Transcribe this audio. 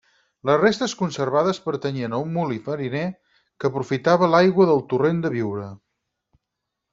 Les restes conservades pertanyien a un molí fariner que aprofitava l’aigua del torrent de Biure.